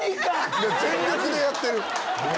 全力でやってる。